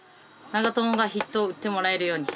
永宝がヒットを打ってもらえるように。